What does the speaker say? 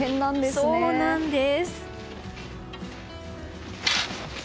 そうなんです。